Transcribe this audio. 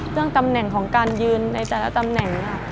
เรื่องตำแหน่งของการยืนในแต่ละตำแหน่งค่ะ